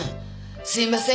すみません